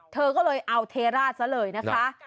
เธอก็เลยเอาเทราดซะเลยนะคะ